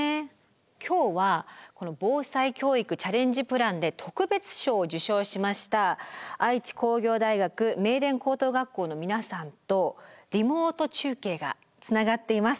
今日は「防災教育チャレンジプラン」で特別賞を受賞しました愛知工業大学名電高等学校の皆さんとリモート中継がつながっています。